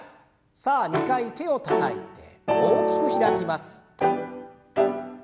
さあ２回手をたたいて大きく開きます。